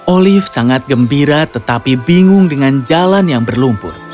olive sangat gembira tetapi bingung dengan jalan yang berlumpur